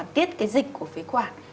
tiết cái dịch của phế quản